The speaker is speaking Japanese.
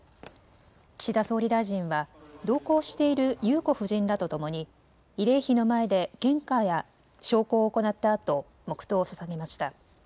岸田総理大臣は同行している裕子夫人らとともに慰霊碑の前で献花や焼香を行ったあと黙とうをささげました。